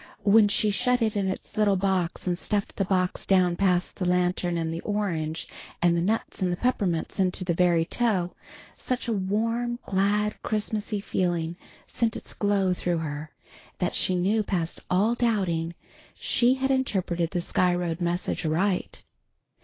When she shut it in its little box, and stuffed the box down past the lantern and the orange and the nuts and the peppermints into the very toe, such a warm, glad Christmasy feeling sent its glow through her, that she knew past all doubting she had interpreted the Sky Road message aright.